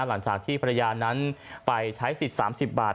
หลังจากที่ภรรยานั้นไปใช้สิทธิ์๓๐บาท